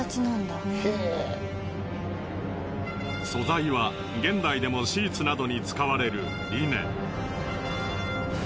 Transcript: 素材は現代でもシーツなどに使われるリネン。